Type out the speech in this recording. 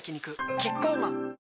キッコーマン